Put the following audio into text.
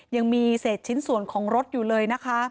ยังมีเศษส่วนของรถอยู่เลย